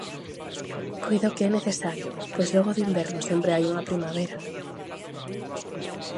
Coido que é necesario, pois logo do inverno sempre hai unha primavera.